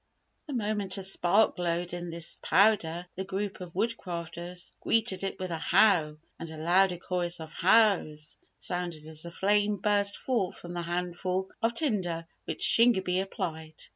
The moment a spark glowed in this powder, the group of Woodcrafters greeted it with a "How!" and a louder chorus of "Hows" sounded as a flame burst forth from the handful of tinder which Shingebis applied.